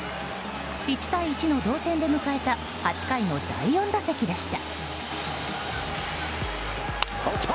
１対１の同点で迎えた８回の第４打席でした。